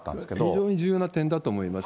非常に重要な点だと思います。